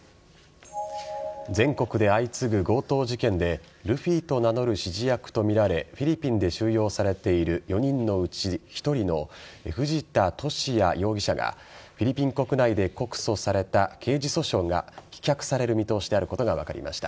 全国で相次ぐ強盗事件でルフィと名乗る指示役とみられフィリピンで収容されている４人のうち１人の藤田聖也容疑者がフィリピン国内で告訴された刑事訴訟が棄却される見通しであることが分かりました。